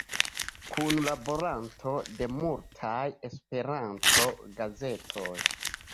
Kunlaboranto de multaj Esperanto-gazetoj.